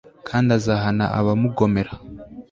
kandi azahana abamugomera